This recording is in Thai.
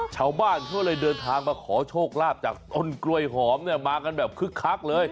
ชาวบ้านเขาเลยเดินทางมาขอโชคลาภจากต้นกล้วยหอมเนี่ยมากันแบบคึกคักเลย